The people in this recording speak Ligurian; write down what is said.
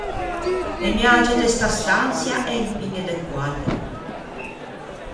E miage de sta stançia en piñe de quaddri.